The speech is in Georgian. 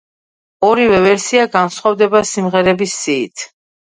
ორივე ვერსია განსხვავდება სიმღერების სიით.